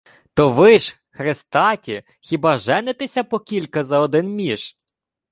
— То ви ж, хрестаті, хіба женитеся по кілька за один між?